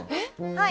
はい。